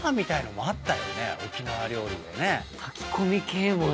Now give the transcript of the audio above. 沖縄料理でね。